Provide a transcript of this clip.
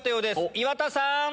岩田さん！